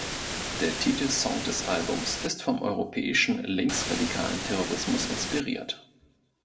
Der Titelsong des Albums ist vom europäischen, linksradikalen Terrorismus inspiriert.